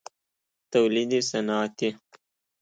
تولید صنعتی